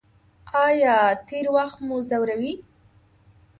ایا تیر وخت مو ځوروي؟